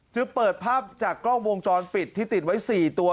จึงเปิดภาพจากกล้องวงจรปิดที่ติดไว้๔ตัว